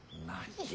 何。